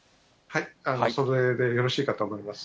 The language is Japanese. それでよろしいかと思います。